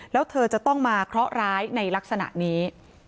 แล้วเธอจะต้องมาเคราะหร้ายในลักษณะนี้